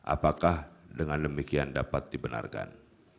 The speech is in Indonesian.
apakah dengan demikian dapat dibenarkan